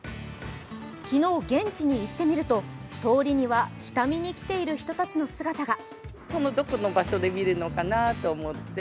昨日、現地に行ってみると通りには下見に来ている人たちの姿が。